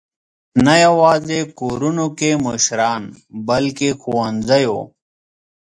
نه یواځې کورونو کې مشران، بلکې ښوونځیو.